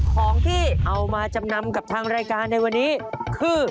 ของที่เอามาจำนำกับทางรายการในวันนี้คือ